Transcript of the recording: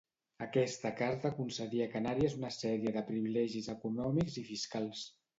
Aquesta Carta concedia a Canàries una sèrie de privilegis econòmics i fiscals.